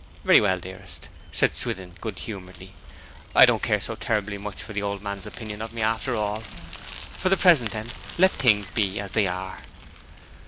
'Very well, dearest,' said Swithin good humouredly. 'I don't care so terribly much for the old man's opinion of me, after all. For the present, then, let things be as they are.'